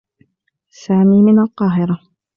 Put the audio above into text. سامي من القاهرة.